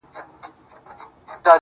او په گوتو کي يې سپين سگريټ نيولی~